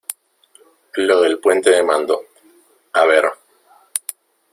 lo del puente de mando. a ver ...